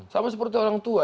sama seperti orang tua